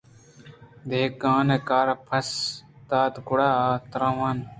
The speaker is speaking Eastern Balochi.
دہقان کار ءَ پسّہ دات گُڑا تراوَرَاں